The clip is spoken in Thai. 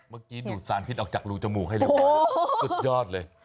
ดูดสารพิษออกจากรูจมูกให้เร็วสุดยอดเลย